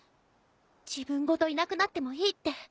自分ごといなくなってもいいって